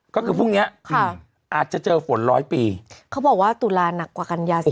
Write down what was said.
ก็คือพรุ่งเนี้ยค่ะอาจจะเจอฝนร้อยปีเขาบอกว่าตุลาหนักกว่ากันยา๔